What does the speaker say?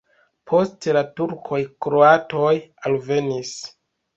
Post la turkoj kroatoj alvenis.